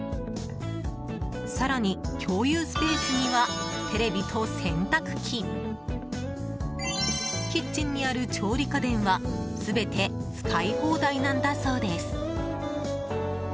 更に、共有スペースにはテレビと洗濯機キッチンにある調理家電は全て使い放題なんだそうです。